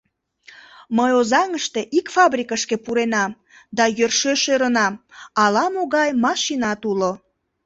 Мый Озаҥыште ик фабрикышке пуренам да йӧршеш ӧрынам: ала-могай машинат уло...